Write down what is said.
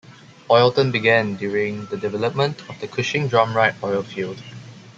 Oilton began during the development of the Cushing-Drumright Oil Field.